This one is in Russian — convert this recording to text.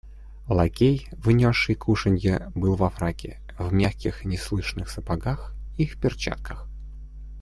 Лакей, внесший кушанье, был во фраке, в мягких неслышных сапогах и в перчатках.